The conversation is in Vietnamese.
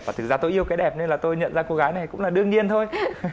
và thực ra tôi yêu cái đẹp nên là tôi nhận ra cô gái này cũng là đương nhiên thôi